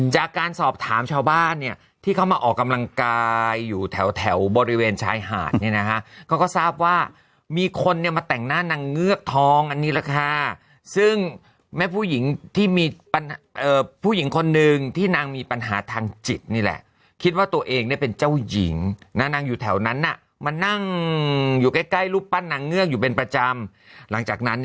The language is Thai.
จากการสอบถามชาวบ้านเนี่ยที่เขามาออกกำลังกายอยู่แถวบริเวณชายหาดเนี่ยนะคะเขาก็ทราบว่ามีคนเนี่ยมาแต่งหน้านางเงือกทองอันนี้แหละค่ะซึ่งแม่ผู้หญิงที่มีผู้หญิงคนนึงที่นางมีปัญหาทางจิตนี่แหละคิดว่าตัวเองเนี่ยเป็นเจ้าหญิงนะนางอยู่แถวนั้นน่ะมานั่งอยู่ใกล้รูปปั้นนางเงือกอยู่เป็นประจำหลังจากนั้น